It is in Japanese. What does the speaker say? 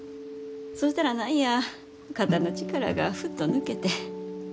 そしたら何や肩の力がフッと抜けて。